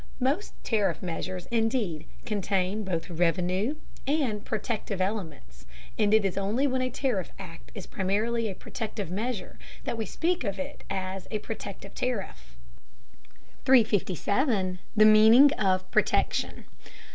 Most tariff measures, indeed, contain both "revenue" and "protective" elements, and it is only when a tariff act is primarily a protective measure that we speak of it as a protective tariff. 357. THE MEANING OF "PROTECTION."